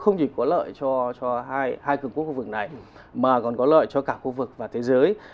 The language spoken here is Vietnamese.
không chỉ có lợi cho hai cường quốc khu vực này mà còn có lợi cho cả khu vực và thế giới